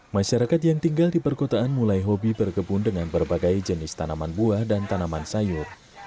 masyarakat yang tinggal di perkotaan mulai hobi berkebun dengan berbagai jenis tanaman buah dan tanaman sayur